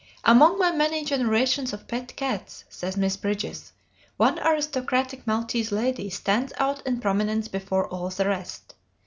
"Among my many generations of pet cats," says Miss Bridges, "one aristocratic maltese lady stands out in prominence before all the rest.